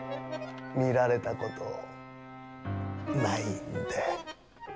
見られたことないんで。